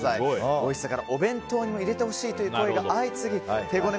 おいしさからお弁当にも入れてほしいという声が相次ぎ手ごね